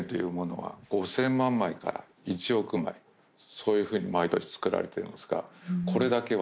そういうふうに毎年造られていますが。